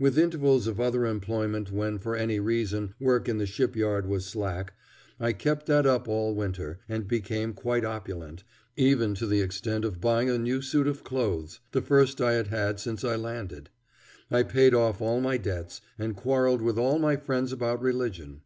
With intervals of other employment when for any reason work in the ship yard was slack, I kept that up all winter, and became quite opulent, even to the extent of buying a new suit of clothes, the first I had had since I landed. I paid off all my debts, and quarrelled with all my friends about religion.